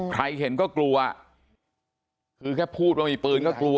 ใครเห็นก็กลัวคือแค่พูดว่ามีปืนก็กลัว